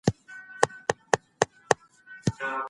کیدای سي د ماشینونو او ودانیو فرسایش د تولید اصلي مخه ونیسي.